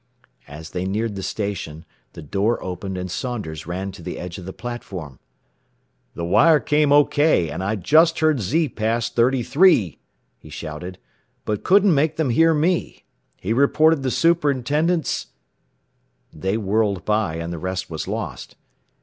As they neared the station the door opened and Saunders ran to the edge of the platform. "The wire came O K and I just heard Z pass Thirty three," he shouted, "but couldn't make them hear me. He reported the superintendent's " They whirled by, and the rest was lost.